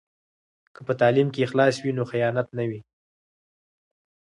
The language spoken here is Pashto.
که په تعلیم کې اخلاص وي نو خیانت نه وي.